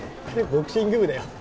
ボクシング部だよ。